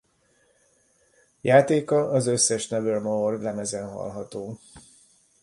Játéka az összes Nevermore lemezen hallható.